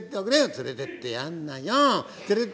「連れてってやんなよ！」。